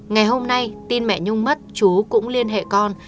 ngày hôm nay tin mẹ nhung mất chú cũng liên hệ con